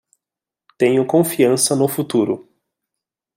Tenho confiança no futuro